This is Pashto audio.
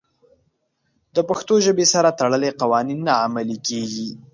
د پښتو ژبې سره تړلي قوانین نه عملي کېږي.